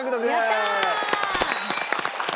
やったー！